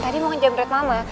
tadi mau ngejam rat mama